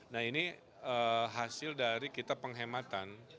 nah ini hasil dari kita penghematan